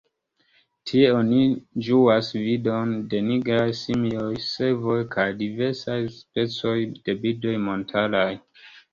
Tie oni ĝuas vidon de nigraj simioj, cervoj kaj diversaj specoj de birdoj montaraj.